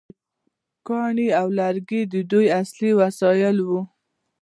کاڼي او لرګي د دوی اصلي وسایل وو.